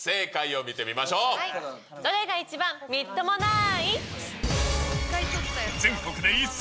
どれが一番みっともなーい？